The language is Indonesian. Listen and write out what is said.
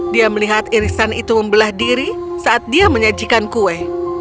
dia melihat irisan itu membelah diri saat dia menyajikan kue